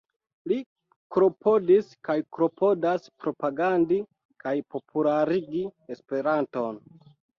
Li klopodis kaj klopodas propagandi kaj popularigi esperanton.